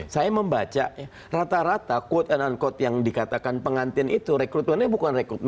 saya membaca rata rata quote unquote yang dikatakan pengantin itu rekrutmennya bukan rekrutmen